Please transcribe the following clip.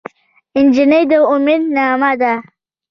نجلۍ د امید نغمه ده.